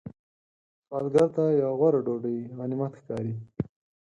سوالګر ته یو غوړه ډوډۍ غنیمت ښکاري